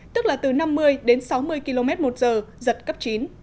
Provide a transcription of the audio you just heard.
tức là từ năm mươi đến sáu mươi km một giờ giật cấp chín